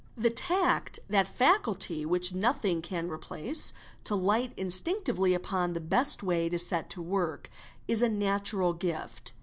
The tact—that faculty which nothing can replace—to light Mes (LT SR OT astinctively upon the best way to set to work, is a natural gift.